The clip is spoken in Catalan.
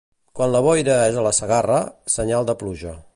Quan la boira és a la Segarra, senyal de pluja.